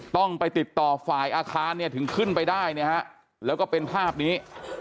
ต้องไปติดต่อฝ่ายอาคารถึงขึ้นไปได้แล้วก็เป็นภาพนี้